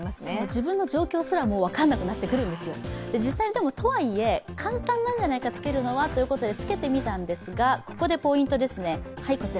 自分の状況すら分からなくなってくるんですよ。とはいえ、簡単なんじゃないかつけるのはということでつけてみたんですがここでポイントですね。